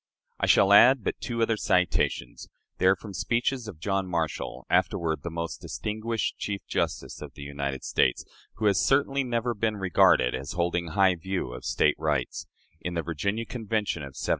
I shall add but two other citations. They are from speeches of John Marshall, afterward the most distinguished Chief Justice of the United States who has certainly never been regarded as holding high views of State rights in the Virginia Convention of 1788.